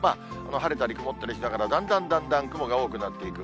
晴れたり曇ったりしながら、だんだんだんだん雲が多くなっていく。